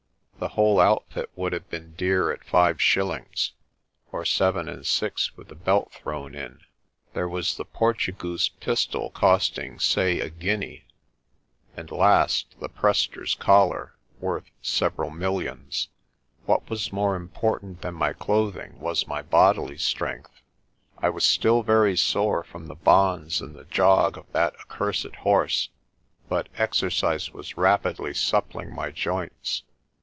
The whole outfit would have been dear at five shillings, or seven and six with the belt thrown in. Then there was the Portugoose's pistol costing, say, a guinea; and last, the Prester's collar, worth several millions. What was more important than my clothing was my bodily strength. I was still very sore from the bonds and the jog of that accursed horse, but exercise was rapidly suppling my joints.